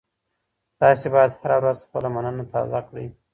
تاسي باید هره ورځ خپله مننه تازه کړئ.